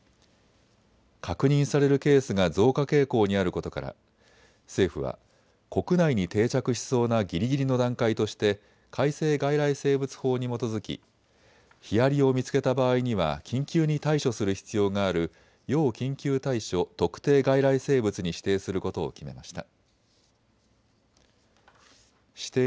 確認されるケースが増加傾向にあることから政府は国内に定着しそうなぎりぎりの段階として改正外来生物法に基づき、ヒアリを見つけた場合には緊急に対処する必要がある要緊急対処特定外来生物に指定することを決めました。